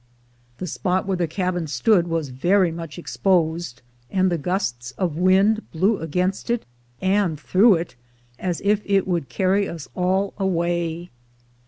The spot where the cabin stood was very much exposed, and the gusts of wind blew against it and through it as if it would carry us all away.